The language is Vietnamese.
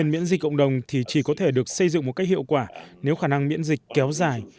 miễn dịch cộng đồng thì chỉ có thể được xây dựng một cách hiệu quả nếu khả năng miễn dịch kéo dài